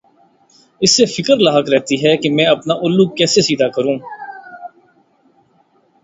اسے فکر لاحق رہتی ہے کہ میں اپنا الو کیسے سیدھا کروں۔